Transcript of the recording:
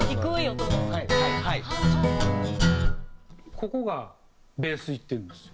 ここがベースいってるんですよ。